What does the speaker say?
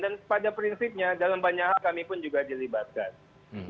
dan pada prinsipnya dalam banyak hal kami pun juga dilibatkan